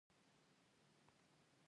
او نړۍ ورسره ملګرې ده.